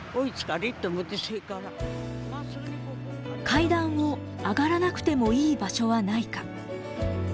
階段を上がらなくてもいい場所はないか。